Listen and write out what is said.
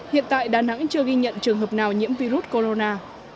hiện tại đà nẵng chưa ghi nhận trường hợp nào nhiễm virus corona